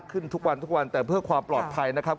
ขึ้นทุกวันทุกวันแต่เพื่อความปลอดภัยนะครับ